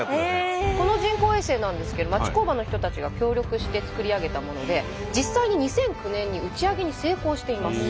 この人工衛星なんですけど町工場の人たちが協力して作り上げたもので実際に２００９年に打ち上げに成功しています。